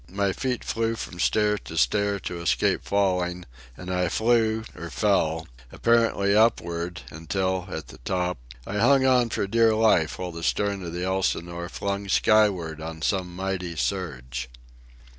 My feet flew from stair to stair to escape falling, and I flew, or fell, apparently upward, until, at the top, I hung on for dear life while the stern of the Elsinore flung skyward on some mighty surge.